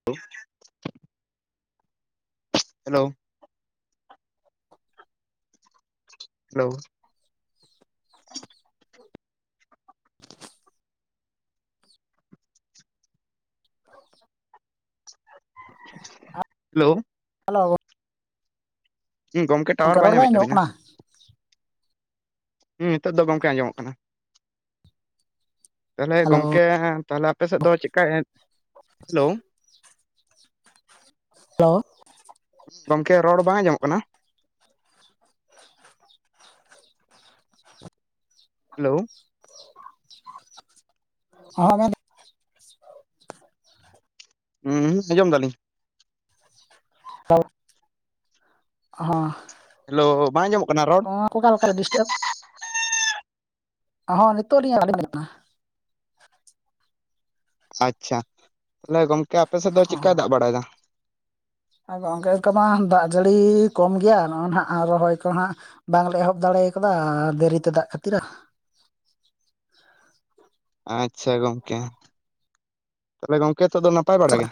[inaudible] Hello! Hello! [inaudible] [inaudible] [inaudible] [inaudible] Hello! Hello! ᱦᱩᱸ, ᱜᱚᱢᱠᱮ tower ᱜᱚᱝᱠᱮ ᱵᱟᱭ ᱨᱚᱲ ᱧᱟᱢᱮᱫ ᱟᱸᱡᱚᱢᱚᱜ ᱛᱟᱵᱤᱱᱟ ᱠᱟᱱᱟ ᱾ ᱦᱮᱸ ᱱᱤᱛᱳᱜ ᱫᱚ ᱜᱚᱝᱠᱮ ᱟᱸᱡᱚᱢᱚᱜ ᱠᱟᱱᱟ ᱾ ᱛᱟᱦᱞᱮ ᱦᱮᱞᱳ ᱜᱚᱢᱠᱮ ᱛᱟᱦᱚᱞᱮ ᱟᱯᱮ ᱥᱮᱫ ᱫᱚ ᱪᱮᱫᱠᱟᱭ ᱦᱮᱞᱳ! ᱦᱮᱞᱳ! ᱜᱚᱢᱠᱮ ᱨᱚᱲ ᱵᱟᱝ ᱟᱸᱡᱚᱢᱚᱜ ᱠᱟᱱᱟ? ᱦᱮᱞᱳ! [unintelligible] ᱦᱩᱸ ᱦᱩᱸ ᱟᱸᱡᱚᱢ ᱫᱟᱞᱤᱧ ᱾ [unintelligible] ᱦᱚᱸ ᱾ ᱦᱮᱞᱳ! ᱵᱟᱝ ᱟᱸᱡᱚᱢᱚᱜ ᱠᱟᱱᱟ ᱨᱚᱲ? ᱚᱸ ᱚᱠᱟ ᱞᱮᱠᱟᱨᱮ ᱰᱤᱥᱴᱟᱵ ᱦᱚᱸ ᱱᱤᱛᱚᱜ ᱞᱤᱧ [unintelligible] ᱠᱟᱱᱟ ᱾ ᱟᱪᱪᱷᱟ, ᱛᱟᱦᱚᱞᱮ ᱜᱚᱢᱠᱮ ᱟᱯᱮᱥᱮᱫ ᱫᱚ ᱪᱤᱫ ᱠᱟᱭ ᱫᱟᱜ ᱵᱟᱲᱟᱭᱮᱫᱟ? ᱟ ᱜᱚᱝᱠᱮ ᱚᱱᱠᱟ ᱢᱟ ᱫᱟᱜ ᱡᱟᱹᱲᱤ ᱠᱚᱢ ᱜᱮᱭᱟ ᱱᱚᱜᱼᱚᱭ ᱱᱟᱦᱟᱜ ᱟᱨ ᱨᱚᱦᱚᱭ ᱠᱚ ᱦᱟᱸᱜ ᱵᱟᱝᱞᱮ ᱮᱦᱚᱵ ᱫᱟᱲᱮ ᱟᱠᱟᱫᱟ ᱫᱮᱨᱤᱛᱮ ᱫᱟᱜ ᱠᱷᱟᱹᱛᱤᱨᱟᱜ ᱾ ᱟᱪᱪᱷᱟ ᱜᱚᱝᱠᱮ, ᱛᱚᱵᱮ ᱜᱚᱢᱠᱮ ᱱᱤᱛᱚᱜ ᱫᱚ ᱱᱟᱯᱟᱭ ᱵᱟᱲᱟ ᱜᱮ?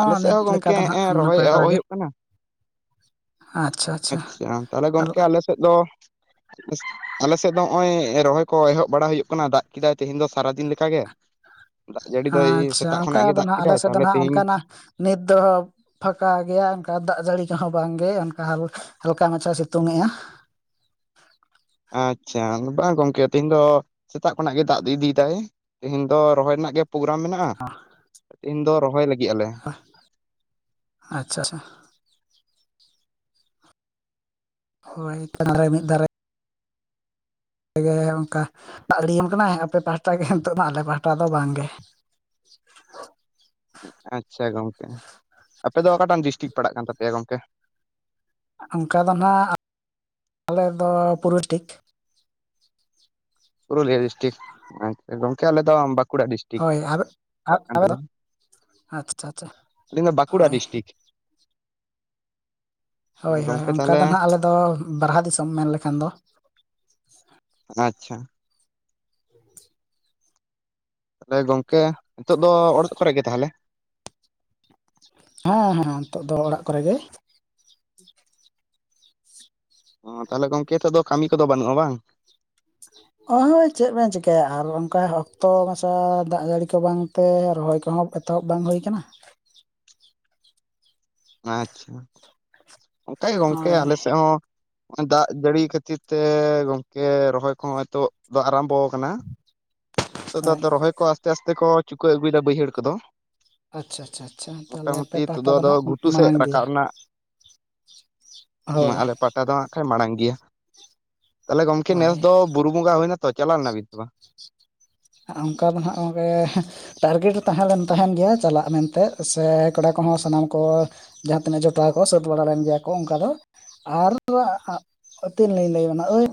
ᱟᱞᱮ ᱥᱮᱫ ᱱᱤᱛ ᱦᱚᱸ ᱜᱚᱝᱠᱮ ᱞᱮᱠᱟ ᱫᱚ ᱦᱮᱜᱼᱮᱸ ᱱᱟᱦᱟᱜ ᱨᱚᱦᱚᱭ ᱱᱟᱯᱟᱭ ᱮᱦᱚᱵ ᱵᱟᱲᱟ ᱜᱮ ᱦᱩᱭᱩᱜ ᱠᱟᱱᱟ ᱾ ᱟᱪᱪᱷᱟ ᱾ ᱟᱪᱪᱷᱟ, ᱛᱟᱦᱚᱞᱮ ᱜᱚᱝᱠᱮ ᱟᱞᱮ ᱥᱮᱫ ᱫᱚ ᱟᱞᱮ ᱥᱮᱫ ᱫᱚ ᱦᱚᱜᱼᱚᱭ ᱨᱚᱦᱚᱭ ᱠᱚ ᱮᱦᱚᱵ ᱵᱟᱲᱟ ᱦᱩᱭᱩᱜ ᱠᱟᱱᱟ ᱫᱟᱜ ᱠᱮᱫᱟᱭ ᱛᱮᱦᱮᱱ ᱫᱚ ᱥᱟᱨᱟᱫᱤᱱ ᱞᱮᱠᱟ ᱜᱮ ᱾ ᱟᱪᱪᱷᱟ, ᱚᱱᱠᱟ ᱜᱮ ᱫᱚ ᱫᱟᱜ ᱱᱟᱜ ᱟᱞᱮ ᱠᱮᱫᱟᱭ ᱥᱮᱫ ᱫᱚ ᱛᱟᱦᱚᱞᱮ ᱱᱟᱜ ᱛᱮᱦᱤᱧ ᱚᱱᱠᱟᱱᱟᱜ ᱱᱤᱛ ᱫᱚ ᱯᱷᱟᱸᱠᱟ ᱜᱮᱭᱟ ᱚᱱᱠᱟ ᱫᱟᱜ ᱡᱟᱹᱲᱤ ᱠᱚᱦᱚᱸ ᱵᱟᱝᱜᱮ ᱚᱱᱠᱟ ᱦᱟᱞ ᱦᱟᱞᱠᱟ ᱢᱟᱪᱷᱟ ᱥᱤᱛᱩᱝ ᱮᱜᱼᱟ᱾ ᱟᱪᱪᱷᱟ ᱵᱟᱝ ᱜᱚᱝᱠᱮ ᱛᱮᱦᱮᱧ ᱫᱚ ᱥᱮᱛᱟᱜ ᱠᱷᱚᱱᱟᱜ ᱜᱮ ᱫᱟᱜ ᱫᱚ ᱤᱫᱤᱭᱮᱫᱟᱭ ᱾ ᱛᱮᱦᱮᱧ ᱫᱚ ᱨᱚᱦᱚᱭ ᱨᱮᱱᱟᱜ ᱜᱮ ᱯᱨᱳᱜᱨᱟᱢ ᱢᱮᱱᱟᱜᱼᱟ, ᱛᱮᱦᱮᱧ ᱫᱚ ᱨᱚᱦᱚᱭ ᱞᱟᱹᱜᱤᱫ ᱟᱞᱮ ᱾ [unintelligible] [unintelligible] ᱢᱤᱫ ᱫᱷᱟᱨᱮ ᱯᱮᱜᱮ ᱚᱱᱠᱟ ᱫᱟᱜ [unintelligible] ᱠᱟᱱᱟᱭ ᱟᱯᱮ ᱯᱟᱦᱟᱴᱟ ᱜᱮ ᱱᱤᱛᱚᱜ ᱫᱚ ᱟᱞᱮ ᱯᱟᱦᱴᱟ ᱫᱚ ᱵᱟᱝ ᱜᱮ᱾ ᱟᱪᱪᱷᱟ ᱜᱚᱝᱠᱮ ᱟᱯᱮ ᱫᱚ ᱚᱠᱟᱴᱟᱝ ᱰᱤᱥᱴᱤᱠ ᱯᱟᱲᱟᱜ ᱠᱟᱱ ᱛᱟᱯᱮᱭᱟ ᱜᱚᱝᱠᱮ? ᱚᱱᱠᱟ ᱫᱚ ᱱᱟᱦᱟᱜ ᱟᱞᱮᱫ ᱫᱚ [unintelligible] ᱯᱩᱨᱩᱞᱤᱭᱟᱹ ᱰᱤᱥᱴᱤᱠ ᱟᱪᱪᱷᱟ ᱜᱚᱝᱠᱮ ᱟᱞᱮᱚ ᱫᱚ ᱵᱟᱸᱠᱩᱲᱟ ᱰᱤᱥᱴᱤᱠ᱾ ᱦᱳᱭ ᱟᱨ ᱯᱟᱲᱟᱜ ᱠᱟᱱ [unintelligible] ᱟᱪᱪᱷᱟ ᱟᱪᱪᱷᱟ᱾ ᱟᱞᱤᱧ ᱫᱚ ᱵᱟᱠᱩᱲᱟ ᱦᱳᱭ ᱰᱤᱥᱴᱤᱠ᱾ ᱦᱳᱭ ᱦᱳᱭ ᱜᱚᱝᱠᱮ ᱚᱱᱠᱟ ᱛᱟᱦᱚᱞᱮ ᱫᱚ ᱱᱟᱦᱟᱜ ᱟᱞᱮ ᱫᱚ ᱵᱟᱨᱦᱟ ᱫᱤᱥᱚᱢ ᱢᱮᱱ ᱞᱮᱠᱷᱟᱱ ᱫᱚ᱾ ᱟᱪᱪᱷᱟ᱾ ᱛᱟᱞᱦᱮ ᱜᱚᱝᱠᱮ ᱱᱤᱛᱚᱜ ᱫᱚ ᱚᱲᱮᱡ ᱠᱚᱨᱮ ᱜᱮ ᱛᱟᱦᱚᱞᱮ? ᱦᱮᱸ ᱦᱮᱸ ᱱᱤᱛᱚᱜ ᱫᱚ ᱚᱲᱟᱜ ᱠᱚᱨᱮ ᱜᱮ᱾ ᱚ ᱛᱟᱞᱦᱮ ᱜᱚᱝᱠᱮ ᱦᱤᱛᱚᱜ ᱫᱚ ᱠᱟᱹᱢᱤ ᱠᱚᱫᱚ ᱵᱟᱹᱱᱩᱜᱼᱟ ᱵᱟᱝ? ᱚᱭ ᱦᱳᱭ ᱪᱮᱫ ᱵᱮᱱ ᱪᱮᱤᱠᱟᱹᱭᱟ ᱟᱨ ᱚᱱᱠᱟ ᱚᱠᱛᱚ ᱢᱟᱪᱷᱟ ᱫᱟᱜ ᱡᱟᱹᱲᱤ ᱠᱚ ᱵᱟᱝ ᱛᱮ ᱨᱚᱦᱚᱭ ᱠᱚᱦᱚᱸ ᱮᱛᱚᱦᱚᱵ ᱵᱟᱝ ᱦᱩᱭ ᱟᱠᱟᱱᱟ᱾ ᱟᱪᱪᱷᱟ ᱚᱝᱠᱟ ᱜᱮ ᱜᱚᱝᱠᱮ ᱦᱳᱭ ᱟᱞᱮ ᱥᱮᱫ ᱦᱚᱸ ᱱᱚᱜ-ᱚᱭ ᱫᱟᱜ ᱡᱟᱹᱲᱤ ᱠᱷᱟᱹᱛᱤᱨ ᱛᱮ ᱜᱚᱝᱠᱮ ᱨᱚᱦᱚᱭ ᱠᱚᱦᱚᱸ ᱦᱤᱛᱚᱜ ᱫᱚ ᱟᱨᱟᱢᱵᱚᱣ ᱟᱠᱟᱱᱟ᱾ ᱛᱳᱜ ᱫᱚ ᱦᱳᱭ ᱟᱫᱚ ᱨᱚᱦᱚᱭ ᱠᱚ ᱟᱥᱛᱮ ᱟᱥᱛᱮ ᱠᱚ ᱪᱩᱠᱟᱹᱣ ᱟᱹᱜᱩᱭᱮᱫᱟ ᱵᱟᱹᱭᱦᱟᱹᱲ ᱠᱚᱫᱚ᱾ ᱟᱪᱪᱷᱟ ᱟᱪᱪᱷᱟ ᱟᱪᱪᱷᱟ ᱛᱟᱦᱚᱞᱮ ᱟᱯᱮ ᱢᱚᱴᱟᱢᱩᱴᱤ ᱛᱳᱜ ᱯᱟᱦᱴᱟ ᱫᱚ ᱟᱫᱚ ᱱᱟᱜ ᱜᱷᱩᱴᱩ ᱥᱮᱫ ᱢᱟᱲᱟᱝ ᱜᱮᱭᱟ ᱨᱟᱠᱟᱵ ᱨᱮᱱᱟᱜ ᱱᱚᱣᱟ ᱦᱳᱭ ᱟᱞᱮ ᱯᱟᱦᱴᱟ ᱫᱚ ᱦᱟᱸᱜ ᱠᱷᱟᱱ ᱢᱟᱲᱟᱝ ᱜᱮᱭᱟ᱾ ᱛᱟᱦᱞᱮ ᱜᱚᱢᱠᱮ ᱱᱮᱥ ᱦᱳᱭ ᱫᱚ ᱵᱩᱨᱩ ᱵᱚᱸᱜᱟ ᱦᱩᱭᱱᱟ ᱛᱚ ᱪᱟᱞᱟᱣ ᱞᱮᱱᱟ ᱵᱤᱱ ᱥᱮ ᱵᱟᱝ? ᱦᱟᱸᱜ ᱚᱱᱠᱟ ᱫᱚ ᱱᱟᱦᱟᱜ ᱜᱚᱝᱠᱮ ᱴᱟᱨᱜᱮᱴ ᱛᱟᱦᱮᱸ ᱞᱮᱱ ᱛᱟᱦᱮᱱ ᱜᱮᱭᱟ ᱪᱟᱞᱟᱜ ᱢᱮᱱᱛᱮ ᱥᱮ ᱠᱚᱲᱟ ᱠᱚᱦᱚᱸ ᱥᱟᱱᱟᱢ ᱠᱚ ᱡᱟᱦᱟᱸ ᱛᱤᱱᱟᱹᱜ ᱡᱚᱴᱟᱣ ᱠᱚ ᱥᱟᱹᱛ ᱵᱟᱲᱟ ᱞᱮᱱ ᱜᱮᱭᱟ ᱠᱚ ᱚᱱᱠᱟ ᱫᱚ ᱟᱨ ᱟᱹᱛᱤᱱ ᱞᱤᱧ ᱞᱟᱹᱭᱟ ᱲᱵᱮᱱᱟ ᱟᱹᱭ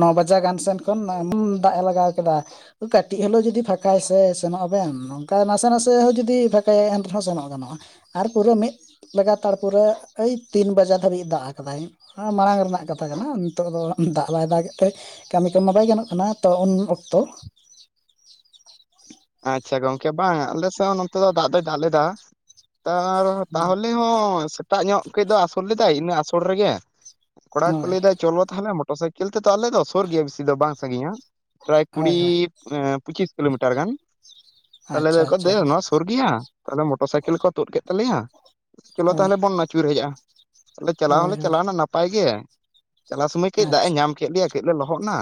ᱱᱚ ᱵᱟᱡᱟ ᱜᱟᱱ ᱥᱮᱱ ᱠᱷᱚᱱ ᱮᱢᱚᱱ ᱫᱟᱜ ᱮ ᱞᱟᱜᱟᱣ ᱠᱮᱫᱟ ᱠᱟᱹᱴᱤᱡ ᱦᱤᱞᱳ ᱡᱩᱫᱤ ᱯᱷᱟᱸᱠᱟᱭ ᱥᱮ ᱥᱮᱱᱚᱜ ᱟᱵᱮᱱ, ᱱᱚᱝᱠᱟᱭ ᱱᱟᱥᱮ ᱱᱟᱥᱮ ᱦᱚᱸ ᱡᱩᱫᱤ ᱯᱷᱟᱸᱠᱟᱭᱟᱭ ᱮᱱ ᱨᱮᱦᱚᱸ ᱥᱮᱱᱚᱜ ᱜᱟᱱᱚᱜᱼᱟ᱾ ᱟᱨ ᱯᱩᱨᱟᱹ ᱢᱤᱫ ᱵᱮᱜᱟᱛᱟᱲ ᱯᱩᱨᱟᱹ ᱳᱭ ᱛᱤᱱ ᱵᱟᱡᱟ ᱫᱷᱟᱹᱵᱤᱡ-ᱮ ᱫᱟᱜ ᱟᱠᱟᱫᱟᱭ᱾ ᱦᱟᱸ ᱢᱟᱲᱟᱝ ᱨᱮᱱᱟᱜ ᱠᱟᱛᱷᱟ ᱠᱟᱱᱟ᱾ ᱱᱤᱛᱚᱜ ᱫᱚ ᱫᱟᱜ ᱵᱟᱭ ᱫᱟᱜ ᱮᱫ ᱛᱮ ᱠᱟᱹᱢᱤ ᱠᱚᱢᱟ ᱵᱟᱭ ᱜᱟᱱᱚᱜ ᱠᱟᱱᱟ ᱛᱚ ᱩᱱ ᱚᱠᱛᱚ ᱟᱪᱪᱷᱟ ᱜᱚᱢᱠᱮ ᱵᱟᱝ ᱟᱞᱮᱥᱮᱫ ᱦᱚᱸ ᱱᱚᱱᱛᱮ ᱫᱚ ᱫᱟᱜ ᱫᱚᱭ ᱫᱟᱜ ᱞᱮᱫᱟ᱾ ᱛᱟᱨ ᱛᱟᱦᱚᱞᱮ ᱦᱚᱸ ᱥᱮᱛᱟᱜ ᱧᱚᱜ ᱠᱟᱹᱡ ᱫᱚ ᱟᱥᱩᱞ ᱞᱮᱫᱟᱭ, ᱤᱱᱟᱹᱜ ᱟᱥᱩᱞ ᱨᱮᱜᱮ ᱠᱚᱲᱟ ᱠᱚ ᱦᱳᱭ ᱞᱟᱹᱭᱫᱟ ᱪᱚᱞᱚ ᱛᱟᱦᱚᱞᱮ ᱢᱚᱴᱚᱨ ᱥᱟᱭᱠᱮᱞ ᱛᱮᱫᱚ ᱟᱞᱮ ᱫᱚᱥᱩᱨ ᱜᱮᱭᱟ ᱵᱮᱥᱤ ᱫᱚ ᱵᱟᱝ ᱥᱟᱺᱜᱤᱧᱟ ᱯᱨᱟᱭ ᱦᱳᱭ ᱠᱩᱲᱤ ᱦᱳᱭ ᱢᱟᱱᱮ ᱯᱚᱸᱪᱤᱥ ᱠᱤᱞᱳᱢᱤᱴᱟᱨ ᱜᱟᱱ᱾ ᱛᱟ ᱟᱪᱪᱷᱟ ᱞᱟᱹᱭᱫᱟᱠᱚ ᱫᱮ ᱟᱪᱪᱷᱟ ᱱᱚᱣᱟ ᱥᱩᱨ ᱜᱮᱭᱟ, ᱛᱟᱦᱞᱮ ᱢᱚᱴᱚᱨ ᱥᱟᱭᱠᱮᱞ ᱠᱚ ᱛᱩᱫ ᱠᱮᱫ ᱛᱟᱞᱮᱭᱟ᱾ ᱪᱚᱞᱚ ᱦᱳᱭ ᱛᱟᱦᱚᱞᱮ ᱵᱚᱱ ᱟᱹᱪᱩᱨ ᱦᱮᱡᱼᱟᱜ ᱟ᱾ ᱛᱟᱦᱞᱮ ᱪᱟᱞᱟᱣ ᱦᱳᱭ ᱦᱚᱸᱞᱮ ᱦᱳᱭ ᱪᱟᱞᱟᱣᱱᱟ ᱱᱟᱯᱟᱭ ᱜᱮ᱾ ᱪᱟᱞᱟᱣ ᱥᱚᱢᱚᱭ ᱠᱟᱹᱡ ᱫᱟᱜ ᱮ ᱟᱪᱪᱷᱟ ᱧᱟᱢ ᱠᱮᱫ ᱞᱮᱭᱟ ᱠᱟᱹᱡ ᱞᱮ ᱞᱚᱦᱚᱫ ᱱᱟ,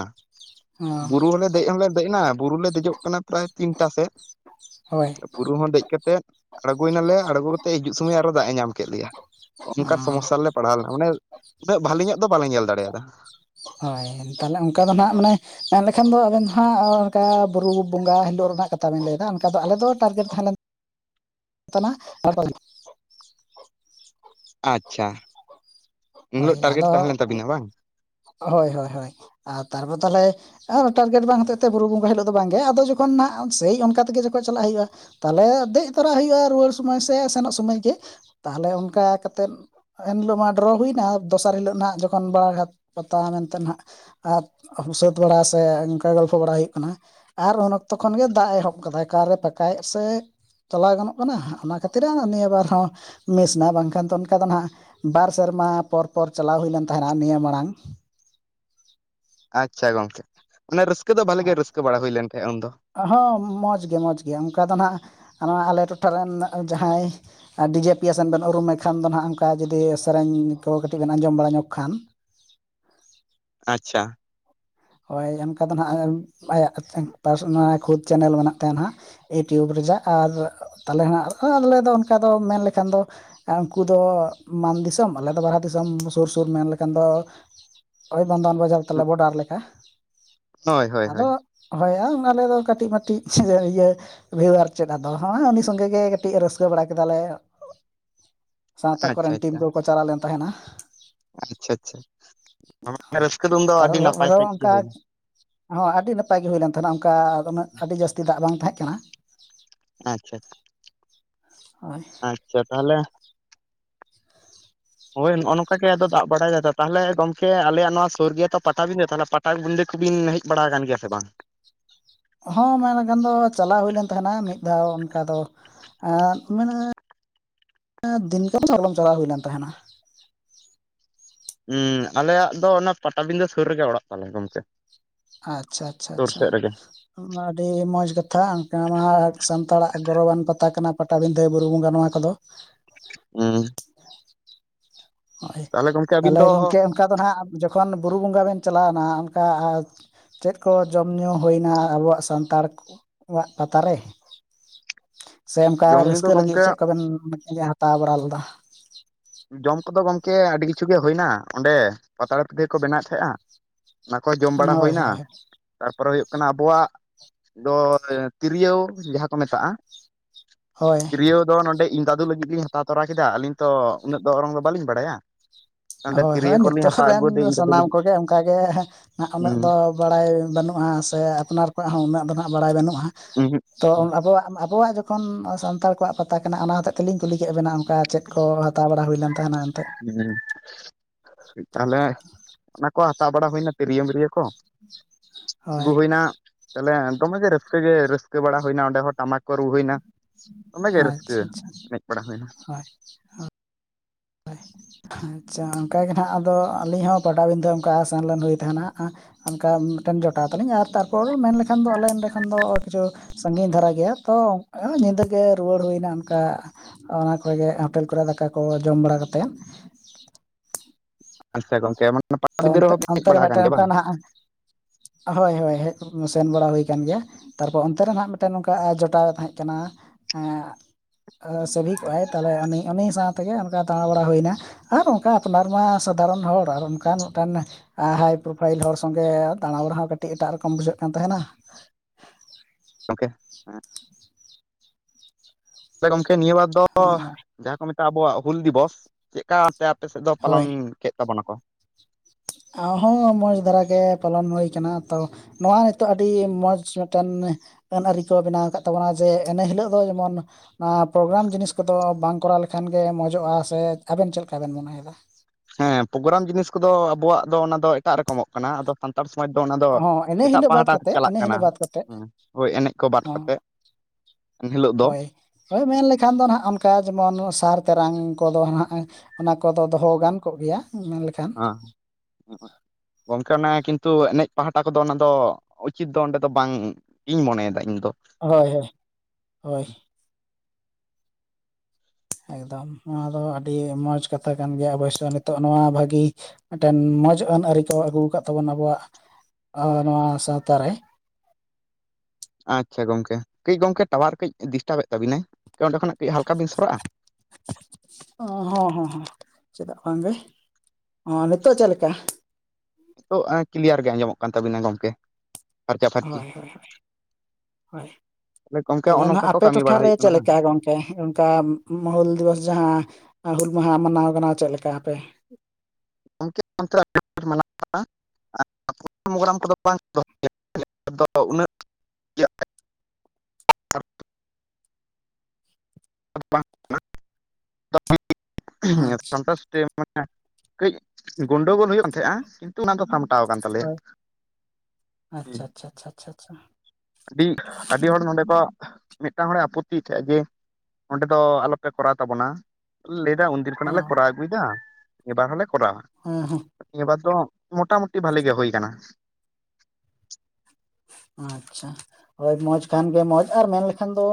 ᱚ ᱵᱩᱨᱩ ᱦᱚᱸᱞᱮ ᱫᱮᱡ ᱦᱚᱸᱞᱮ ᱫᱮᱡ ᱮᱱᱟ᱾ ᱵᱩᱨᱩ‌‌ ᱞᱮ ᱫᱮᱡᱚᱜ ᱠᱟᱱᱟ ᱯᱨᱟᱭ ᱛᱤᱱᱴᱟ ᱥᱮᱫ᱾ ᱦᱳᱭ᱾ ᱵᱩᱨᱩ ᱦᱚᱸ ᱫᱮᱡ ᱠᱟᱛᱮᱫ ᱟᱬᱜᱳᱭᱱᱟᱞᱮ, ᱟᱬᱜᱚ ᱠᱟᱛᱮᱫ ᱦᱤᱡᱩᱜ ᱥᱚᱢᱚᱭ ᱟᱨᱚ ᱫᱟᱜ ᱮ ᱧᱟᱢ ᱠᱮᱫ ᱞᱮᱭᱟ᱾ ᱚᱱᱠᱟᱱ ᱚ ᱥᱚᱢᱚᱥᱥᱟ ᱨᱮᱞᱮ ᱯᱟᱲᱦᱟᱣ ᱞᱮᱱᱟ ᱢᱟᱱᱮ ᱩᱱᱟᱹᱜ ᱵᱷᱟᱞᱤ ᱧᱚᱜ ᱫᱚ ᱵᱟᱞᱮ ᱧᱮᱞ ᱫᱟᱲᱮᱭᱟᱫᱟ᱾ ᱦᱳᱭ ᱛᱟᱞᱦᱮ ᱚᱱᱠᱟ ᱫᱚ ᱱᱟᱦᱟᱜ ᱢᱟᱱᱮ ᱢᱮᱱᱞᱠᱷᱟᱱ ᱫᱚ ᱟᱵᱮᱱ ᱦᱟᱸᱜ ᱚᱱᱠᱟ ᱵᱩᱨᱩ ᱵᱚᱸᱜᱟ ᱦᱤᱞᱳᱜ ᱨᱮᱱᱟᱜ ᱠᱟᱛᱷᱟ ᱵᱮᱱ ᱞᱟᱹᱭᱫᱟ ᱚᱱᱠᱟ ᱫᱚ ᱟᱞᱮ ᱫᱚ ᱴᱟᱨᱜᱮᱴ ᱛᱟᱦᱮᱸ ᱞᱮᱱ [unintelligible] ᱟᱪᱪᱷᱟ᱾ ᱦᱳᱭ ᱩᱱᱦᱤᱞᱚᱜ ᱴᱟᱨᱜᱮᱴ ᱟᱫᱚ ᱛᱟᱦᱮᱸ ᱞᱮᱱ ᱛᱟᱵᱤᱱᱟ ᱵᱟᱝ? ᱦᱳᱭ ᱦᱳᱭ ᱦᱳᱭ ᱟᱨ ᱛᱟᱨᱯᱚᱨ ᱛᱟᱦᱚᱞᱮ ᱴᱟᱨᱜᱮᱴ ᱵᱟᱝ ᱦᱚᱛᱚᱜ ᱛᱮ ᱵᱩᱨᱩ ᱵᱚᱸᱜᱟ ᱦᱤᱞᱳᱜ ᱫᱚ ᱵᱟᱝᱜᱮ ᱟᱫᱚ ᱡᱚᱠᱷᱚᱱ ᱱᱟᱦᱜ ᱥᱮᱭ ᱚᱱᱠᱟ ᱛᱮᱜᱮ ᱡᱚᱠᱷᱚᱱ ᱪᱟᱞᱟᱜ ᱦᱩᱭᱩᱜᱼᱟ ᱛᱟᱦᱚᱞᱮ ᱫᱮᱡ ᱛᱚᱨᱟᱜ ᱦᱩᱭᱩᱜᱼᱟ ᱨᱩᱣᱟᱹᱲ ᱥᱚᱢᱚᱭ ᱥᱮ ᱥᱮᱱᱚᱜ ᱥᱚᱢᱚᱭ ᱜᱮ ᱛᱟᱦᱚᱞᱮ ᱚᱱᱠᱟ ᱠᱟᱛᱮᱫ ᱮᱱᱦᱤᱞᱳᱜ ᱢᱟ ᱰᱨᱚ ᱦᱩᱭᱱᱟ ᱫᱚᱥᱟᱨ ᱦᱤᱞᱳᱜ ᱱᱟᱦᱟᱸᱜ ᱡᱚᱠᱷᱚᱱ ᱵᱟᱦᱟ ᱦᱟᱴ ᱯᱟᱛᱟ ᱢᱮᱱᱛᱮ ᱱᱟᱦᱜ ᱟᱛ ᱥᱟᱹᱛ ᱵᱟᱲᱟ ᱥᱮ ᱚᱱᱠᱟ ᱜᱚᱞᱯᱷᱚ ᱵᱟᱲᱟ ᱦᱩᱭᱩᱜ ᱠᱟᱱᱟ ᱾ ᱟᱨ ᱩᱱ ᱚᱠᱛᱚ ᱠᱷᱚᱱ ᱜᱮ ᱫᱟᱜ-ᱮ ᱮᱦᱚᱵ ᱠᱟᱫᱟ ᱚᱠᱟᱨᱮ ᱯᱟᱠᱟᱭᱮᱫ ᱥᱮ ᱪᱟᱞᱟᱣ ᱜᱟᱱᱚᱜ ᱠᱟᱱᱟ ᱚᱱᱟ ᱠᱷᱟᱹᱛᱤᱨ ᱟᱸ ᱱᱤᱭᱟᱹ ᱵᱟᱨ ᱦᱚᱸ ᱢᱤᱥᱱᱟ ᱵᱟᱝᱠᱷᱟᱱ ᱫᱚ ᱚᱱᱠᱟ ᱫᱚ ᱱᱟᱦᱜ ᱵᱟᱨ ᱥᱮᱨᱢᱟ ᱯᱚᱨ ᱯᱚᱨ ᱪᱟᱞᱟᱣ ᱦᱩᱭ ᱞᱮᱱ ᱛᱟᱦᱮᱱᱟ ᱱᱤᱭᱟᱹ ᱢᱟᱲᱟᱝ ᱾ ᱟᱪᱪᱷᱟ ᱜᱚᱢᱠᱮ ᱢᱟᱱᱮ ᱨᱟᱹᱥᱠᱟᱹ ᱫᱚ ᱵᱷᱟᱞᱮ ᱜᱮ ᱨᱟᱹᱥᱠᱟᱹ ᱵᱟᱲᱟ ᱦᱩᱭ ᱞᱮᱱ ᱛᱟᱦᱮᱸᱫ ᱩᱱᱫᱚ? ᱦᱚᱸ ᱢᱚᱡᱽ ᱜᱮ ᱢᱚᱡᱽ ᱜᱮ ᱚᱱᱠᱟ ᱫᱚ ᱱᱟᱦᱜ ᱱᱚᱣᱟ ᱟᱞᱮ ᱴᱚᱴᱷᱟᱨ ᱨᱮᱱ ᱡᱟᱦᱟᱸᱭ ᱟᱨ ᱰᱤᱡᱮ ᱯᱤᱭᱟᱥᱮᱱ ᱵᱮᱱ ᱩᱨᱩᱢᱠᱷᱟᱱ ᱫᱚ ᱱᱟᱦᱟᱜ ᱚᱱᱠᱟ ᱡᱩᱫᱤ ᱥᱮᱨᱮᱧ ᱠᱚ ᱠᱟᱹᱴᱤᱡ ᱵᱮᱱ ᱟᱸᱡᱚᱢ ᱵᱟᱲᱟ ᱧᱚᱜ ᱠᱷᱟᱱ ᱾ ᱟᱪᱪᱷᱟ ᱾ ᱦᱳᱭ ᱚᱱᱠᱟ ᱫᱚ ᱱᱟᱦᱟᱜ ᱟᱭᱟᱜ ᱯᱟᱨᱥᱚᱱᱟᱞ ᱠᱷᱩᱫᱽ ᱪᱮᱱᱮᱞ ᱢᱮᱱᱟᱜ ᱛᱟᱭᱟ ᱱᱟᱦᱜ ᱾ ᱤᱭᱩᱴᱩᱵᱽ ᱨᱮᱡᱟᱜ ᱟᱨ ᱛᱟᱦᱞᱮ ᱦᱟᱸᱜ ᱟᱞᱮ ᱫᱚ ᱚᱱᱠᱟ ᱫᱚ ᱢᱮᱱ ᱞᱮᱠᱷᱟᱱ ᱫᱚ ᱟᱨ ᱩᱱᱠᱩ ᱫᱚ ᱢᱟᱱ ᱫᱤᱥᱚᱢ ᱟᱞᱮ ᱫᱚ ᱵᱟᱨᱦᱟ ᱫᱤᱥᱚᱢ ᱥᱩᱨ ᱥᱩᱨ ᱢᱮᱱ ᱞᱮᱠᱷᱟᱱ ᱫᱚ ᱟᱞᱮ ᱵᱟᱱᱫᱷᱳᱭᱟᱱ ᱵᱟᱡᱟᱨ ᱛᱟᱞᱮ ᱵᱚᱰᱟᱨ ᱞᱮᱠᱟ ᱾ ᱦᱳᱭ ᱦᱳᱭ ᱦᱳᱭ ᱟᱫᱚ ᱦᱳᱭᱟᱝ ᱟᱞᱮ ᱫᱚ ᱠᱟᱹᱴᱤᱡ ᱢᱟᱹᱴᱤᱡ ᱤᱭᱟᱹ ᱵᱷᱤᱣᱟᱨ ᱪᱮᱫ ᱟᱫᱚ ᱦᱟᱸᱜ ᱩᱱᱤ ᱥᱚᱸᱜᱮ ᱜᱮ ᱠᱟᱹᱴᱤᱡ ᱨᱟᱹᱥᱠᱟᱹ ᱵᱟᱲᱟ ᱠᱮᱫᱟ ᱞᱮ ᱾ [unintelligible] ᱥᱟᱶᱛᱟ ᱠᱚᱨᱮᱱ ᱴᱤᱢ ᱟᱪᱪᱷᱟ ᱠᱚᱠᱚ ᱪᱟᱞᱟᱣ ᱞᱮᱱ ᱛᱟᱦᱮᱱᱟ ᱾ ᱟᱪᱪᱷᱟ ᱟᱪᱪᱷᱟ ᱢᱟᱱᱮ ᱦᱳᱭ ᱨᱟᱹᱥᱠᱟᱹ ᱫᱚ ᱩᱱ ᱫᱚ ᱛᱟᱨ ᱟᱹᱰᱤ ᱱᱟᱯᱟᱭ ᱥᱟᱺᱤᱡ ᱜᱮ ᱚᱱᱠᱟ ᱦᱩᱭᱱᱟ ᱾ ᱦᱚᱸ ᱟᱹᱰᱤ ᱱᱟᱯᱟᱭ ᱜᱮ ᱦᱩᱭᱞᱮᱱ ᱛᱟᱦᱮᱱᱟ ᱚᱱᱠᱟ ᱩᱱᱟᱹᱜ ᱟᱹᱰᱤ ᱡᱟᱹᱥᱛᱤ ᱫᱟᱜ ᱵᱟᱝ ᱛᱟᱦᱮᱸᱜ ᱠᱟᱱᱟ ᱾ ᱟᱪᱪᱷᱟ ᱟᱪᱪᱷᱟ ᱾ ᱦᱳᱭ ᱾ ᱟᱪᱪᱷᱟ ᱛᱟᱦᱚᱞᱮ ᱦᱳᱭ ᱱᱚᱜᱼᱚ ᱱᱚᱝᱠᱟ ᱜᱮ ᱟᱫᱚ ᱫᱟᱜ ᱵᱟᱲᱟᱭ ᱫᱟᱭ ᱛᱟᱦᱞᱮ ᱜᱚᱢᱠᱮ ᱟᱞᱮᱭᱟᱜ ᱱᱚᱣᱟ ᱥᱩᱨ ᱜᱮᱭᱟ ᱛᱚ ᱯᱟᱴᱟᱵᱤᱱᱫᱟᱹ ᱛᱟᱦᱞᱮ ᱯᱟ ᱴᱟᱠ ᱵᱩᱸᱫᱟᱹ ᱠᱚᱵᱤᱱ ᱦᱮᱡ ᱵᱟᱲᱟ ᱟᱠᱟᱱ ᱜᱮᱭᱟ ᱥᱮ ᱵᱟᱝ? ᱦᱚᱸ ᱢᱮᱱᱠᱷᱟᱱ ᱫᱚ ᱪᱟᱞᱟᱣ ᱦᱩᱭ ᱞᱮᱱ ᱛᱟᱦᱮᱱᱟ ᱢᱤᱫ ᱫᱷᱟᱣ ᱚᱱᱠᱟ ᱫᱚ ᱾ ᱮᱸᱫ ᱢᱟᱱᱮ ᱫᱤᱱᱠᱟᱞᱚᱢ [unintelligible] ᱪᱟᱞᱟᱣ ᱦᱩᱭ ᱞᱮᱱ ᱛᱟᱦᱮᱱᱟ ᱾ ᱩᱸ ᱟᱞᱮᱭᱟᱜ ᱫᱚ ᱚᱱᱟ ᱯᱟᱴᱟᱵᱤᱸᱫᱟᱹ ᱥᱩᱨ ᱨᱮᱜᱮ ᱚᱲᱟᱜ ᱛᱟᱞᱮ ᱜᱚᱝᱠᱮ ᱾ ᱟᱪᱪᱷᱟ ᱟᱪᱪᱷᱟ ᱟᱪᱪᱷᱟ ᱾ ᱟᱹᱰᱤ ᱢᱚᱸᱡᱽ ᱠᱟᱛᱷᱟ ᱚᱱᱠᱟ ᱢᱟ ᱥᱟᱱᱛᱟᱲᱟᱜ ᱜᱚᱨᱚᱵᱟᱱ ᱯᱟᱛᱟ ᱠᱟᱱᱟ ᱯᱟᱴᱟᱵᱫᱷᱟᱹ, ᱵᱩᱨᱩ ᱵᱚᱸᱜᱟ ᱱᱚᱣᱟ ᱠᱚᱫᱚ ᱾ ᱦᱩᱸ ᱾ ᱦᱳᱭ ᱜᱚᱢᱠᱮ ᱟᱹᱵᱤᱱ ᱛᱟᱦᱚᱞᱮ ᱫᱚ ᱜᱚᱢᱠᱮ ᱚᱱᱠᱟ ᱫᱚ ᱱᱟᱦᱟᱜ ᱡᱚᱠᱷᱚᱱ ᱵᱩᱨᱩ ᱵᱚᱸᱜᱟ ᱵᱮᱱ ᱪᱟᱞᱟᱣᱮᱱᱟ ᱦᱟᱸᱜ ᱚᱱᱠᱟ ᱟ ᱪᱮᱫ ᱠᱚ ᱡᱚᱢ ᱧᱩ ᱦᱩᱭᱱᱟ ᱟᱵᱚᱣᱟᱜ ᱥᱟᱱᱛᱟᱲ ᱠᱚᱣᱟᱜ ᱯᱟᱛᱟ ᱨᱮ? [inaudible] ᱥᱮ ᱚᱱᱠᱟ ᱡᱚᱢ ᱧᱩ ᱫᱚ ᱨᱟᱹᱥᱠᱟᱹ ᱞᱟᱹᱜᱤᱫ ᱜᱚᱢᱠᱮ ᱪᱮᱫ ᱠᱚᱵᱮᱱ ᱦᱟᱛᱟᱣ ᱵᱟᱲᱟ ᱞᱮᱫᱟ? ᱡᱚᱢ ᱠᱚᱫᱚ ᱜᱚᱝᱠᱮ ᱟᱹᱰᱤ ᱠᱤᱪᱷᱩ ᱜᱮ ᱦᱩᱭᱱᱟ, ᱚᱸᱰᱮ ᱯᱟᱛᱲᱟ ᱯᱤᱴᱷᱟᱹ ᱠᱚ ᱵᱮᱱᱟᱣᱮᱫ ᱛᱟᱦᱮᱸᱜᱼᱟ ᱾ ᱚᱱᱟ ᱠᱚ ᱡᱚᱢ ᱵᱟᱲᱟ ᱦᱩᱭ ᱦᱳᱭ ᱮᱱᱟ ᱦᱳᱭ ᱾ ᱛᱟᱨᱯᱚᱨᱮ ᱦᱩᱭᱩᱜ ᱠᱟᱱᱟ ᱟᱵᱚᱣᱟᱜ ᱫᱚ ᱛᱤᱨᱭᱳ ᱡᱟᱦᱟᱸ ᱠᱚ ᱢᱮᱛᱟᱜᱼᱟ ᱦᱳᱭ ᱾ ᱯᱤᱨᱭᱳ ᱫᱚ ᱱᱚᱸᱰᱮ ᱤᱧ ᱫᱟᱫᱩ ᱞᱟᱹᱜᱤᱫ ᱞᱤᱧ ᱦᱟᱛᱟᱣ ᱛᱚᱨᱟ ᱠᱮᱫᱟ ᱟᱹᱞᱤᱧ ᱛᱚ ᱩᱱᱟᱹᱜ ᱫᱚ ᱚᱨᱚᱝ ᱫᱚ ᱵᱟᱹᱞᱤᱧ ᱵᱟᱲᱟᱭᱟ ᱾ ᱦᱳᱭ ᱦᱳᱭ ᱱᱤᱛᱚᱜ ᱨᱮᱱ ᱫᱟᱫᱩ ᱥᱟᱱᱟᱢ ᱞᱟᱹᱜᱤᱫ ᱠᱚᱜᱮ ᱚᱱᱠᱟ ᱜᱮ ᱦᱟᱸᱜ ᱩᱱᱟᱹᱜ ᱦᱩᱸ ᱫᱚ ᱵᱟᱲᱟᱭ ᱵᱟᱹᱱᱩᱜᱼᱟ ᱥᱮ ᱟᱯᱱᱟᱨ ᱠᱚᱣᱟᱜ ᱦᱚᱸ ᱩᱱᱟᱹᱜ ᱫᱚ ᱱᱟᱸᱜ ᱵᱟᱲᱟᱭ ᱵᱟᱹᱱᱩᱜᱼᱟ ᱾ ᱩᱸᱦᱩᱜ ᱛᱚ ᱟᱵᱚᱣᱟᱜ, ᱟᱵᱚᱣᱟᱜ ᱡᱚᱠᱷᱚᱱ ᱥᱟᱱᱛᱟᱲ ᱠᱚᱣᱟᱜ ᱯᱟᱛᱟ ᱠᱟᱱᱟ ᱚᱱᱟ ᱦᱚᱛᱮᱡ ᱛᱮᱞᱤᱧ ᱠᱩᱞᱤ ᱠᱮᱜ ᱵᱮᱱᱟ ᱚᱱᱠᱟ ᱪᱮᱫ ᱠᱚ ᱦᱟᱛᱟᱣ ᱵᱟᱲᱟ ᱦᱩᱭ ᱞᱮᱱ ᱛᱟᱦᱮᱱᱟ ᱮᱱᱛᱮᱜ ᱦᱮᱸ, ᱥᱩ----ᱡ ᱾ ᱠᱟᱹᱡ, ᱛᱟᱦᱞᱮ ᱚᱱᱟ ᱠᱚ ᱦᱟᱛᱟᱣ ᱵᱟᱲᱟ ᱦᱩᱭᱱᱟ ᱛᱤᱨᱭᱟᱹ- ᱢᱤᱨᱭᱟᱹ ᱠᱚᱣᱟ? ᱪᱷᱤᱠ, ᱟᱹᱜᱩ ᱦᱳᱭ ᱦᱳᱭᱱᱟ ᱛᱟᱦᱞᱮ ᱫᱚᱢᱮ ᱜᱮ ᱨᱟᱹᱥᱠᱟᱹ ᱜᱮ ᱨᱟᱹᱥᱠᱟᱹ ᱵᱟᱲᱟ ᱦᱳᱭᱱᱟ ᱚᱸᱰᱮ ᱦᱚᱸ ᱴᱟᱢᱟᱠ ᱠᱚ ᱨᱩ ᱦᱳᱭᱱᱟ ᱾ ᱟᱪ-ᱪᱷᱟ ᱟᱪ-ᱪᱷᱟ, ᱟᱪᱷᱟ ᱵᱟᱲᱟ ᱦᱩᱭᱱᱟ ᱟᱪᱦᱟ ᱦᱳᱭ ᱾ ᱟᱪ-ᱪᱷᱟ, ᱟᱪ-ᱪᱷᱟ ᱚᱱᱠᱟᱜᱮ ᱦᱟᱸᱜ ᱟᱫᱚ ᱟᱞᱤᱧ ᱦᱚᱸ ᱯᱟᱴᱟᱵᱤᱸᱫᱟᱹ ᱚᱱᱠᱟ ᱥᱮᱱ ᱞᱮᱱ ᱦᱩᱭ ᱛᱟᱦᱮᱱᱟ ᱚᱱᱠᱟ ᱢᱤᱫᱴᱮᱱ ᱡᱚᱴᱟᱣ ᱛᱟᱹᱟᱞᱤᱧ ᱟᱨ ᱛᱟᱨᱯᱚᱨ ᱢᱮᱱ ᱞᱮᱠᱷᱟᱱ ᱫᱚ ᱟᱞᱮ ᱮᱸᱰᱮ ᱠᱷᱚᱱ ᱫᱚ ᱠᱤᱪᱷᱩ ᱥᱟᱺᱜᱤᱧ ᱫᱷᱟᱨᱟ ᱜᱮᱭᱟ ᱛᱚ ᱧᱤᱫᱟᱹ ᱜᱮ ᱨᱩᱣᱟᱹᱲ ᱦᱳᱭᱱᱟ ᱚᱱᱠᱟ-ᱼ ᱚᱱᱟ ᱠᱚᱨᱮᱜᱮ ᱦᱳᱴᱮᱹᱞ ᱠᱚᱨᱮ ᱫᱟᱠᱟ ᱠᱚ ᱡᱚᱢ ᱵᱟᱲᱟ ᱠᱟᱛᱮᱜ ᱟᱪᱪᱦᱟ ᱜᱚᱝᱠᱮ ᱮᱢᱚᱱ ᱛᱚ ᱚᱱᱛᱮ, ᱚᱱᱛᱮ ᱨᱮ ᱢᱤᱫᱴᱮᱱ ᱚᱱᱠᱟ ᱱᱟᱸᱦᱜ ᱦᱳᱭ ᱦᱳᱭ ᱦᱮᱡ, ᱥᱮᱱ ᱵᱟᱲᱟ ᱦᱳᱭ ᱠᱟᱱ ᱜᱮᱭᱟ ᱾ ᱛᱟᱨᱯᱚᱨ ᱚᱱᱛᱮ ᱨᱮ ᱦᱟᱸᱜ ᱢᱮᱫᱴᱮᱱ ᱱᱚᱝᱠᱟ ᱡᱚᱴᱟᱣᱮ ᱛᱟᱦᱮᱸᱜ ᱠᱟᱱᱟ ᱮᱸ ᱥᱮᱵᱷᱤᱠ ᱠᱚᱜᱼᱟᱭ ᱛᱟᱦᱞᱮ ᱩᱱᱤ, ᱩᱱᱤ ᱥᱟᱶᱛᱮᱜᱮ ᱚᱱᱠᱟ ᱫᱟᱬᱟ ᱵᱟᱲᱟ ᱦᱳᱭᱱᱟ ᱟᱨ ᱚᱱᱠᱟ ᱟᱯᱱᱟᱨ ᱢᱟ ᱥᱟᱫᱷᱟᱨᱚᱱ ᱦᱚᱲ ᱟᱨ ᱚᱱ -ᱠᱟᱱ ᱢᱤᱫᱴᱟᱝ ᱦᱟᱭ ᱯᱨᱳᱯᱷᱟᱭᱤᱞ ᱦᱚᱲ ᱥᱚᱸᱜᱮ ᱫᱟᱬᱟ ᱵᱟᱲᱟ ᱦᱚᱸ ᱠᱟᱹᱴᱤᱡ ᱮᱴᱟᱜ ᱨᱚᱠᱚᱢ ᱵᱩᱡᱷᱟᱹᱜ ᱠᱟᱱ ᱛᱟᱦᱮᱱᱟ ᱾ ᱜᱚᱝᱠᱮ ᱦᱮᱸ ᱮ ᱜᱚᱝᱠᱮ ᱱᱤᱭᱟᱹ ᱵᱟᱛ ᱦᱳᱸ----ᱭᱮᱜ ᱾ ᱡᱟᱦᱟᱸ ᱠᱚ ᱢᱮᱛᱟᱜᱼᱟ ᱟᱵᱚᱣᱟᱜ ᱦᱩᱞ ᱫᱤᱵᱚᱥ ᱪᱮᱜ ᱠᱟ ᱟᱯᱮ ᱥᱮᱫ ᱫᱚ ᱯᱟᱞᱚᱱ ᱦᱳᱭ ᱠᱮᱫ ᱛᱟᱵᱚᱱᱟ ᱠᱚ? ᱟ ᱦᱚᱸ ᱢᱚᱸᱡᱽ ᱫᱷᱟᱨᱟᱜᱮ ᱯᱟᱞᱚᱱ ᱦᱳᱭ ᱠᱟᱱᱟ ᱛᱚ ᱾ ᱱᱚᱣᱟ ᱱᱤᱛᱚᱜ ᱟᱹᱰᱤ ᱢᱚᱸᱡᱽ ᱢᱮᱫᱴᱮᱱ ᱮᱸᱷ ᱟᱹᱱ ᱟᱹᱨᱤ ᱠᱚ ᱵᱮᱱᱟᱣ ᱟᱠᱟᱫ ᱛᱟᱵᱚᱱᱟ ᱡᱮ, ᱮᱱᱮ ᱦᱤᱞᱳᱜ ᱫᱚ ᱡᱮᱢᱚᱱ ᱚᱱᱟ ᱯᱨᱳᱜᱨᱟᱢ ᱡᱤᱱᱤᱥ ᱠᱚᱫᱚ ᱵᱟᱝ ᱠᱚᱨᱟᱣ ᱞᱮᱠᱷᱟᱱ ᱜᱮ ᱢᱚᱸᱡᱚᱜᱼᱟ ᱥᱮ, ᱟᱵᱮᱱ ᱪᱮᱫ ᱞᱮᱠᱟ ᱵᱮᱱ ᱢᱚᱱᱮᱭᱮᱫᱟ? ᱦᱮᱸ ᱯᱨᱳᱜᱨᱟᱢ ᱡᱤᱱᱤᱥ ᱠᱚᱫᱚ ᱟᱵᱚᱣᱟᱜ ᱫᱚ ᱚᱱᱟ ᱫᱚ ᱮᱴᱟᱜ ᱨᱚᱠᱚᱢᱚᱜ ᱠᱟᱱᱟ ᱟᱫᱚ ᱯᱦᱟᱱ ᱥᱟᱱᱛᱟᱲ ᱥᱚᱢᱟᱡᱽ ᱫᱚ ᱚᱱᱟ ᱫᱚ ᱦᱚᱸ ᱤᱱᱟᱹ ᱮᱴᱟᱜ ᱦᱤᱞᱳᱜ ᱵᱟᱫ ᱯᱟᱦᱴᱟ ᱛᱮ ᱠᱟᱛᱮᱫ ᱪᱟᱞᱟᱜ ᱤᱱᱟᱹ ᱠᱟᱱᱟ ᱦᱤᱞᱳᱜ ᱵᱟᱫ ᱠᱟᱛᱮᱫ ᱦᱩᱸ ᱦᱳᱭ ᱮᱱᱮᱡ ᱠᱚ ᱵᱟᱫ ᱦᱚᱸ ᱠᱟᱛᱮᱜ ᱤᱱ ᱦᱤᱞᱳᱜ ᱫᱚ ᱾ ᱦᱳᱭ ᱦᱳᱭ ᱢᱮᱱ ᱞᱮᱠᱷᱟᱱ ᱫᱚ ᱱᱟᱸᱜ ᱚᱱᱠᱟ ᱡᱮᱢᱚᱱ ᱥᱟᱨ ᱛᱮᱨᱟᱝ ᱠᱚᱫᱚ ᱦᱟᱸᱜ ᱚᱱᱟ ᱠᱚᱫᱚ ᱫᱚᱦᱚ ᱜᱟᱱ ᱠᱚᱜ ᱜᱮᱭᱟ ᱢᱮᱱᱞᱮ ᱟᱸᱜ ᱾ ᱡᱚᱸᱦᱟᱨ, ᱜᱚᱝᱠᱮ ᱚᱱᱮ ᱠᱤᱱᱛᱩ ᱮᱱᱮᱡ ᱯᱟᱦᱴᱟ ᱠᱚᱫᱚ ᱚᱱᱟ ᱫᱚ ᱩᱪᱤᱛ ᱫᱚ ᱚᱸᱰᱮ ᱫᱚ ᱵᱟᱝ -ᱜᱤᱧ ᱢᱚᱱᱮᱭᱮᱫᱟ ᱤᱧ ᱫᱚ ᱾ ᱦᱳᱭ -ᱦᱳᱭ, ᱦᱳᱭ ᱾ ᱮᱠᱫᱚᱢ ᱱᱚᱣᱟ ᱫᱚ ᱟᱰᱤ ᱢᱚᱸᱡᱽ ᱠᱟᱛᱷᱟ ᱠᱟᱱ ᱜᱮᱭᱟ ᱚᱵᱚᱥᱥᱚ ᱱᱤᱛᱚᱜ ᱱᱚᱣᱟ ᱵᱷᱟᱜᱤ ᱢᱮᱫ ᱴᱮᱱ ᱢᱚᱸᱡᱽ ᱟᱹᱱ ᱟᱹᱨᱤ ᱠᱚ ᱟᱹᱜᱩ ᱟᱠᱟᱫ ᱛᱟᱵᱚᱱᱟ ᱟᱵᱚᱣᱟᱜ ᱱᱚᱣᱟ ᱥᱟᱶᱛᱟ ᱨᱮ ᱾ ᱟᱪ-ᱪᱷᱟ ᱜᱚᱝᱠᱮ, ᱠᱟᱹᱡ ᱜᱚᱝᱠᱮ ᱴᱟᱣᱟᱨ ᱠᱟᱹᱡ ᱰᱤᱥᱴᱟᱵᱽ ᱮᱛ ᱛᱟᱵᱮᱱᱟ ᱚᱸᱰᱮ ᱠᱷᱚᱱᱟᱜ ᱠᱟᱹᱡ ᱦᱟᱞᱠᱟ ᱵᱮᱱ ᱥᱚᱨᱟᱜ-ᱟ? ᱚ ᱦᱚᱸ ᱦᱚᱸ ᱪᱮᱫᱟᱜ ᱵᱟᱝ ᱜᱮ? ᱚᱸ ᱱᱤᱛᱳᱜ ᱪᱮᱫ ᱞᱮᱠᱟ? ᱛᱚ-ᱟ ᱠᱞᱤᱭᱟᱨ ᱜᱮ ᱟᱸᱡᱚᱢᱚᱜ ᱠᱟᱱ ᱛᱟᱵᱮᱱᱟ ᱜᱚᱝᱠᱮ ᱾ ᱦᱚᱭ -ᱦᱚᱭ -ᱦᱚᱭ, ᱦᱚᱭ ᱛᱟᱦᱚᱞᱮ ᱾ ᱜᱚᱝᱠᱮ ᱱᱚᱜᱼᱚ ᱛᱟᱦᱞᱮ ᱱᱟᱜ ᱱᱚᱝᱠᱟ ᱠᱚ ᱟᱯᱮ ᱠᱟᱹᱢᱤ ᱵᱟᱲᱟ ᱴᱚᱴᱷᱟᱨᱮ ᱦᱩᱭᱩᱜ ᱠᱟᱱᱟ ᱪᱮᱫ ᱵᱟᱝ ᱞᱮᱠᱟ ᱜᱚᱝ ᱛᱮ ᱚᱱᱠᱟ ᱢᱚᱦᱩᱞ ᱫᱩᱣᱟᱹᱥ ᱡᱟᱦᱟᱸ ᱟᱸ ᱦᱩᱞ ᱢᱟᱦᱟᱸ ᱢᱟᱱᱟᱣ ᱠᱟᱱᱟ ᱪᱮᱫ ᱞᱮᱠᱟ ᱯᱮ [inaudible] [inaudible] [inaudible] ᱟᱪᱪᱷᱟ ᱢᱟᱱᱮ ᱠᱟᱹᱡ ᱜᱳᱱᱰᱳᱜᱳᱞ ᱦᱳᱭᱳᱜ ᱛᱟᱦᱮᱸᱜ -ᱟ ᱠᱤᱱᱛᱩ ᱚᱱᱟ ᱫᱚ ᱜᱷᱟᱢ ᱾ ᱦᱳᱭ, ᱟᱪᱪᱷᱟ, ᱟᱪᱷᱟ, ᱟᱪᱷᱟ, ᱟᱪᱷᱟ, ᱟᱹᱰᱤ ᱟᱹᱰᱤ ᱦᱚᱲ ᱱᱚᱰᱮ ᱠᱚ, ᱢᱤᱫᱴᱟᱝ ᱦᱚᱲᱮ ᱟᱯᱚᱛᱤᱭ ᱠᱟᱜᱼᱟ ᱡᱮ ᱱᱚᱸᱰᱮ ᱫᱚ ᱟᱞᱚᱯᱮ ᱠᱚᱨᱟᱣ ᱛᱟᱵᱚᱱᱟ, ᱞᱟᱹᱭᱫᱟ ᱤᱨ ᱚ ᱠᱷᱚᱱᱟᱜ ᱞᱮ ᱠᱚᱨᱟᱣ ᱟᱹᱜᱩᱭᱮᱫᱟ ᱮᱵᱟᱨ ᱦᱚᱞᱮ ᱠᱚᱨᱟᱣᱟ, ᱦᱮ, ᱦᱚᱸ, ᱱᱤᱭᱟᱹᱵᱟᱨ ᱫᱚ ᱢᱳᱚᱴᱟᱢᱩᱴᱤ ᱵᱷᱟᱞᱤ ᱜᱮ ᱦᱩᱭ ᱟᱠᱟᱱᱟ᱾ ᱟᱪᱷᱟ ᱦᱳᱭ ᱢᱚᱡᱽ ᱠᱷᱟᱱ ᱜᱮ ᱢᱚᱸᱡᱽ, ᱟᱨ ᱢᱮᱱ ᱞᱮᱠᱷᱟᱱ ᱫᱚ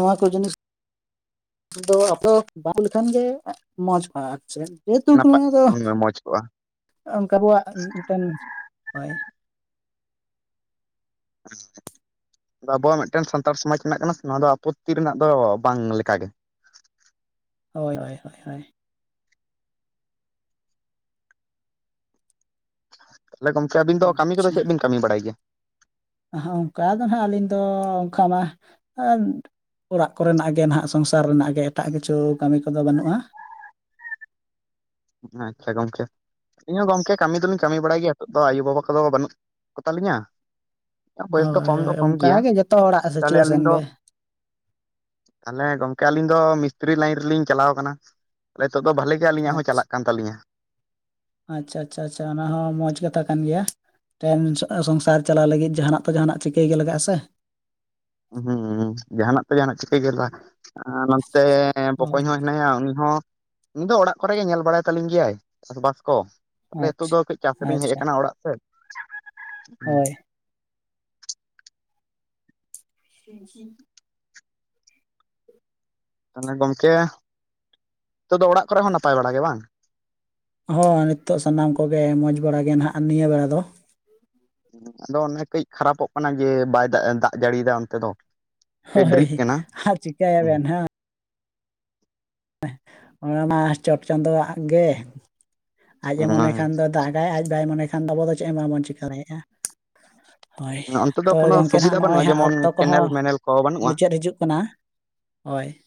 ᱱᱚᱣᱟ ᱠᱚ ᱡᱤᱱᱤᱥ ᱟᱫᱚ ᱟᱯᱮ [unintelligible] ᱞᱮᱠᱷᱟᱱ ᱜᱮ ᱢᱚᱸᱡᱽ ᱠᱚᱜᱼᱟ ᱟᱨ ᱪᱮᱫ, ᱡᱮᱦᱮᱛᱩᱠ ᱱᱟᱯᱟᱭ [unintelligible] ᱫᱚ ᱢᱚᱸᱡᱽ ᱠᱚᱜᱼᱟ ᱚᱱᱠᱟ ᱟᱵᱚᱣᱟᱜ ᱢᱤᱫ ᱴᱮᱱ ᱦᱳᱭ, [unintelligible] ᱟᱵᱚᱣᱟᱜ ᱢᱮᱫᱴᱮᱱ ᱥᱟᱱᱛᱟᱲ ᱥᱚᱢᱟᱡᱽ ᱨᱮᱱᱟᱜ ᱠᱟᱱᱟ ᱥᱮ ᱱᱚᱣᱟ ᱫᱚ ᱟᱯᱚᱛᱛᱤ ᱨᱮᱱᱟᱜ ᱫᱚ ᱵᱟᱝ ᱞᱮᱠᱟ ᱜᱮ᱾ ᱦᱳᱭ, ᱦᱳᱭ, ᱦᱳᱭ, ᱦᱳᱭ, ᱛᱟᱦᱚᱞᱮ ᱜᱚᱝᱠᱮ ᱟᱹᱵᱤᱱ ᱫᱚ ᱠᱟᱹᱢᱤ ᱠᱚᱫᱚ ᱪᱮᱫ ᱵᱤᱱ ᱠᱟᱹᱢᱤ ᱵᱟᱲᱟᱭ ᱜᱮᱭᱟ? ᱟᱸᱦ ᱚᱱᱠᱟ ᱫᱚ ᱦᱟᱸᱜ ᱟᱹᱞᱤᱧ ᱫᱚ ᱚᱱᱠᱟ ᱢᱟ ᱚᱲᱟᱜ ᱠᱚᱨᱮᱱᱟᱜ ᱜᱮ ᱱᱟᱦᱟᱜ ᱥᱚᱝᱥᱟᱨ ᱨᱮᱱᱟᱜ ᱜᱮ ᱮᱴᱟᱜ ᱠᱤᱪᱷᱩ ᱠᱟᱹᱢᱤ ᱠᱚᱫᱚ ᱵᱟᱹᱱᱩᱜᱼᱟ᱾ ᱟᱪᱪᱷᱟ ᱜᱚᱝᱠᱮ, ᱤᱧ ᱦᱚᱸ ᱜᱚᱝᱠᱮ ᱠᱟᱹᱢᱤ ᱫᱚᱞᱤᱧ ᱠᱟᱹᱢᱤ ᱵᱟᱲᱟᱭ ᱜᱮᱭᱟ ᱱᱤᱛᱚᱜ ᱫᱚ ᱟᱭᱩ ᱵᱟᱵᱟ ᱠᱚᱫᱚ ᱵᱟᱹᱱᱩᱜ ᱠᱚᱛᱟᱞᱤᱧᱟ, ᱵᱚᱭᱮᱥ ᱫᱚ ᱦᱳᱭ ᱠᱚᱢ ᱫᱚ ᱦᱳᱭ ᱠᱚᱢ ᱚᱱᱠᱟ ᱜᱮᱭᱟ ᱜᱮ ᱡᱚᱛᱚ ᱦᱚᱲᱟᱜ ᱛᱟᱦᱞᱮ ᱟᱹᱞᱤᱧ ᱥᱤᱪᱩᱭᱮᱥᱚᱱ ᱫᱚ ᱜᱮ ᱛᱟᱦᱚᱞᱮ ᱜᱚᱝᱠᱮ ᱟᱹᱞᱤᱧ ᱫᱚ ᱢᱤᱥᱛᱤᱨᱨᱤ ᱞᱟᱭᱤᱱ ᱨᱮᱞᱤᱧ ᱪᱟᱞᱟᱣ ᱠᱟᱱᱟ ᱱᱤᱛᱚᱜ ᱫᱚ ᱵᱷᱟᱞᱮ ᱟᱞᱤᱧᱟᱜ ᱦᱚᱸ ᱟᱪᱪᱷᱟ ᱪᱟᱞᱟᱜ ᱠᱟᱱ ᱛᱟᱹᱞᱤᱧᱟ, ᱟᱪᱪᱷᱟ ᱟᱪᱪᱷᱟ ᱟᱪᱪᱷᱟ ᱚᱱᱟ ᱦᱚᱸ ᱢᱚᱸᱡᱽ ᱠᱟᱛᱷᱟ ᱠᱟᱱ ᱜᱮᱭᱟ᱾ ᱴᱮᱱ ᱥᱚᱜ ᱥᱚᱝᱥᱟᱨ ᱪᱟᱞᱟᱣ ᱞᱟᱹᱜᱤᱫ ᱡᱟᱦᱟᱸᱱᱟᱜ ᱛᱚ ᱡᱟᱦᱟᱸᱱᱟᱜ ᱛᱚ ᱪᱤᱠᱟᱹᱭ ᱜᱮ ᱞᱟᱜᱟᱜᱼᱟ ᱥᱮ᱾ ᱦᱸ ᱡᱟᱦᱟᱸᱱᱟᱜ ᱛᱚ ᱡᱟᱦᱟᱸᱱᱟᱜ ᱪᱤᱠᱟᱹᱭ ᱜᱮᱞᱟ ᱱᱚᱱᱛᱮ ᱦᱳᱭ ᱵᱚᱠᱚᱧ ᱦᱚᱸᱭ ᱢᱮᱱᱟᱭᱟ ᱩᱱᱤ ᱦᱚᱸ, ᱩᱱᱤ ᱫᱚ ᱚᱲᱟᱜ ᱠᱚᱨᱮ ᱜᱮ ᱧᱮᱞ ᱵᱟᱲᱟᱭ ᱛᱟᱞᱤᱧ ᱜᱮᱭᱟᱭ ᱪᱟᱥᱵᱟᱥ ᱠᱚ᱾ ᱛᱟᱦᱞᱮ ᱱᱤᱛᱚᱜᱷᱚ ᱟᱪᱪᱷᱟ ᱫᱚ ᱠᱟᱹᱡ ᱪᱟᱥ ᱨᱮᱧ ᱦᱮᱡ ᱟᱪᱪᱷᱟ ᱟᱠᱟᱱᱟ ᱚᱲᱟᱜ ᱥᱮᱫ᱾ ᱦᱸ, ᱦᱳᱭ [unintelligible] ᱛᱟᱦᱚᱞᱮ ᱜᱚᱝᱠᱮ ᱱᱤᱛᱚᱜ ᱫᱚ ᱚᱲᱟᱜ ᱠᱚᱨᱮ ᱦᱚᱸ ᱱᱟᱯᱟᱭ ᱵᱟᱲᱟ ᱜᱮ ᱵᱟᱝ? ᱦᱳᱭ ᱱᱤᱛᱚᱜ ᱥᱟᱱᱟᱢ ᱠᱚᱜᱮ ᱢᱚᱡᱽ ᱵᱟᱲᱟ ᱜᱮ ᱱᱟᱦᱟᱜ ᱱᱤᱭᱟᱹ ᱵᱮᱲᱟ ᱫᱚ, ᱟᱫᱚ ᱚᱱᱮ ᱠᱟᱹᱡ ᱠᱷᱟᱨᱟᱯᱚᱜ ᱠᱟᱱᱟ ᱡᱮ ᱵᱟᱭ ᱫᱟᱜ ᱫᱟᱜ ᱡᱟᱹᱲᱤᱭᱫᱟ ᱚᱱᱛᱮ ᱫᱚ᱾ ᱠᱟᱹᱡ ᱦᱳᱭ ᱰᱮᱨᱤᱜ ᱠᱟᱱᱟ ᱟᱨ ᱦᱩᱸ ᱪᱩᱠᱟᱭᱟᱵᱮᱱ ᱦᱟᱸᱝ, ᱚᱱᱟ ᱢᱟ ᱪᱚᱴ ᱪᱟᱸᱫᱳᱣᱟᱜ ᱜᱮ ᱟᱡᱮ ᱚᱱᱟ ᱢᱚᱱᱮ ᱠᱷᱟᱱ ᱫᱚ ᱫᱟᱜ ᱟᱭ ᱟᱡ ᱵᱟᱭ ᱢᱚᱱᱮ ᱠᱷᱟᱱ ᱟᱵᱚ ᱫᱚ ᱪᱮᱫ ᱦᱚᱸ ᱵᱟᱵᱚᱱ ᱪᱤᱠᱟᱹ ᱫᱮᱭᱟᱜᱼᱟ᱾ [inaudible] ᱦᱳᱭ, ᱚᱱᱛᱮ ᱫᱚ ᱛᱳ ᱠᱳᱱᱳ ᱜᱚᱝᱠᱮ ᱦᱟᱸᱜ ᱥᱩᱵᱤᱫᱷᱟ ᱱᱚᱜᱼᱚᱭ ᱵᱟᱹᱱᱩᱜᱼᱟ ᱦᱟᱸᱜ ᱡᱮᱢᱚᱱ ᱚᱠᱛᱚ ᱠᱮᱱᱮᱞ ᱠᱚᱦᱚᱸ ᱢᱮᱱᱮᱞ ᱠᱚ ᱵᱟᱹᱱᱩᱜᱼᱟ ᱢᱩᱪᱟᱹᱫ ᱦᱤᱡᱩᱜ ᱠᱟᱱᱟ, ᱦᱳᱭ,